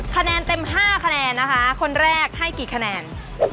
คะแนนเต็ม๕คะแนนนะคะคนแรกให้กี่คะแนน